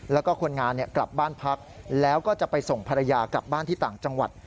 แล้วก็คนงานกลับบ้านพักแล้วก็จะไปส่งภรรยากลับบ้านที่ต่างจังหวัด